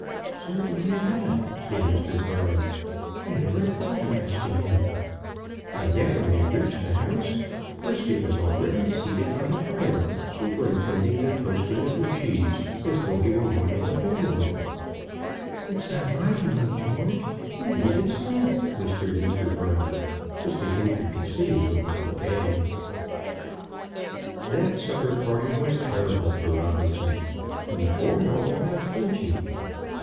"Certainly not," said Mr. Brown; "I never thought of asking him." And yet, when they reached the house, Brisket was already seated by the fire, superintending the toasting of the cheese, as though he were one of the family. "It's not my doing, George; indeed, it's not," whispered Mr. Brown, as they entered the sitting room of the family. [Illustration: Brisket makes himself useful.] That supper party was terrible to Robinson, but he bore it all without flinching.